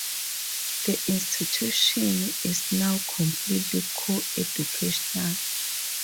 The institution is now completely co-educational.